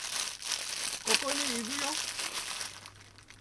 ここにいるよ